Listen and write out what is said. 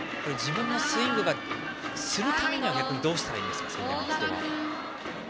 自分のスイングするためにどうしたらいいですか。